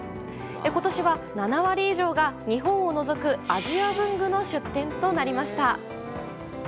今年は７割以上が日本を除くアジア文具の出展となりました。